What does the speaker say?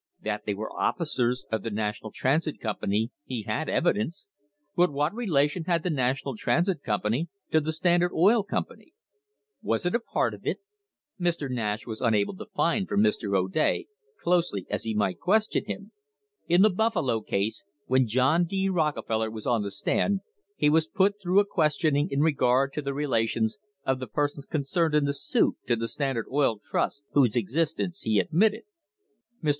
That they were officers of the National Transit Company he had evidence, but what relation had the National Transit Company to the Standard Oil Company? Was it a part of it? Mr. Nash was unable to find from Mr. O'Day, closely as he might question him.f In the Buffalo case, when John D. Rockefeller was on the stand, he was put through a questioning in regard to the rela tions of the persons concerned in the suit to the Standard Oil Trust, whose existence he admitted. Mr.